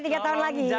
jangan diulangi lagi